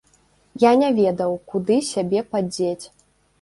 Я не ведаў, куды сябе падзець.